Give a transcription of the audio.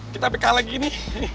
kita api kalah gini